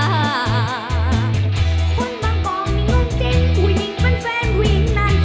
คนบางกอกนิ่งง่องเต้นผู้หญิงเป็นแฟนผู้หญิงนั้น